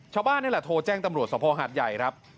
ชาวบ้านนี่แหละโทรแจ้งตำรวจสภหาดใหญ่ครับ